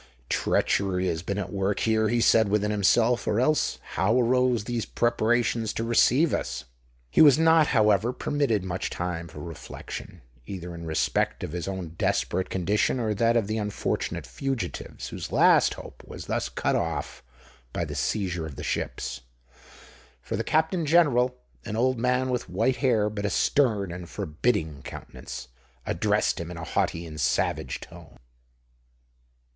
"Treachery has been at work here," he said within himself; "or else how arose these preparations to receive us?" He was not, however, permitted much time for reflection—either in respect to his own desperate condition, or that of the unfortunate fugitives whose last hope was thus cut off by the seizure of the ships; for the Captain General—an old man, with white hair, but a stern and forbidding countenance,—addressed him in a haughty and savage tone.